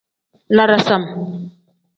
La dasam.